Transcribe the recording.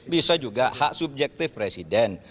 bisa juga hak subjektif presiden